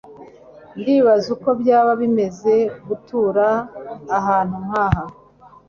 Ndibaza uko byaba bimeze gutura ahantu nkaha.